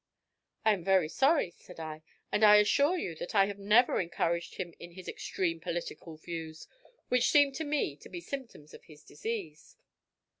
"I am very sorry," said I, "and I assure you that I have never encouraged him in his extreme political views, which seem to me to be symptoms of his disease."